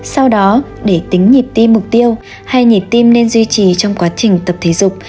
sau đó để tính nhịp tim mục tiêu hay nhịp tim nên duy trì trong quá trình tập thể dục